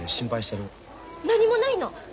何もないの！